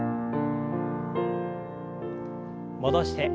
戻して。